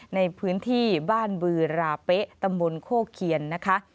ในพื้นที่บ้านบือราเป๊ะตำบลโคเคียนนะคะ